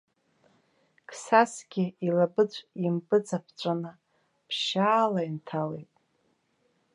Қсасгьы илабыҵә импыҵанҵәаны ԥшьаала инҭалеит.